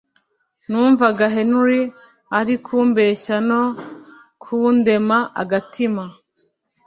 numvaga Henry ari kumbeshya no kundema agatima